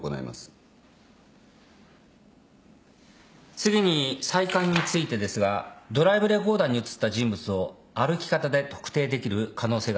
次に再鑑についてですがドライブレコーダーに写った人物を歩き方で特定できる可能性が出てきました。